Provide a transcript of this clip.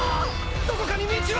どこかに道は！？